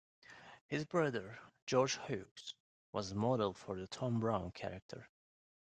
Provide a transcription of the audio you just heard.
His brother, George Hughes, was the model for the Tom Brown character.